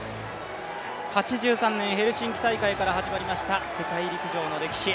８３年ヘルシンキ大会から始まりました、世界大会の歴史。